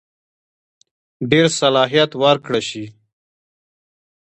زیات صلاحیت ورکړه شي.